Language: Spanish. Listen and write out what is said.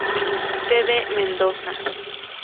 Sede Mendoza.